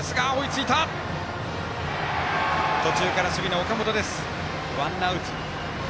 途中から守備の岡本がとってワンアウト。